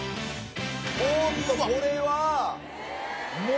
おっとこれはうわ！